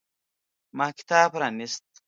ما کتاب پرانیست.